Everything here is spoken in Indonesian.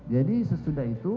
jadi sesudah itu